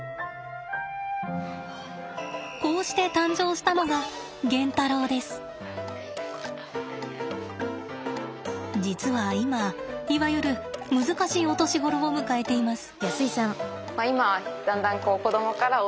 こうして誕生したのが実は今いわゆる難しいお年頃を迎えています。